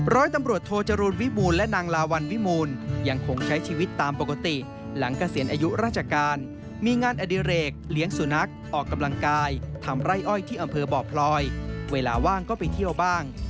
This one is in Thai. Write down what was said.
ร้อยตำรวจโทจรูลวิบูรณ์และนางลาวัลวิมูลยังคงใช้ชีวิตตามปกติหลังเกษียณอายุราชการมีงานอดิเรกเลี้ยงสุนัขออกกำลังกายทำไร่อ้อยที่อำเภอบ่อพลอยเวลาว่างก็ไปเที่ยวบ้าง